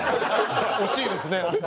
惜しいですね。